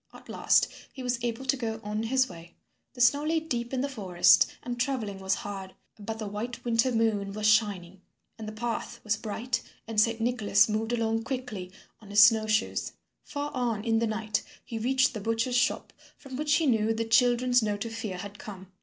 At last he was able to go on his way. The snow lay deep in the forest, and travelling was hard, but the white winter moon was shining, and the path was bright and Saint Nicholas moved along quickly on his snow shoes. Far on in the night he reached the butcher's shop from which he knew the children's note of fear had come.